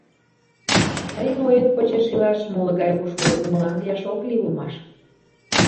Тыйын оет почеш илаш, моло гае пушкыдо кумылан лияш ок лий улмаш...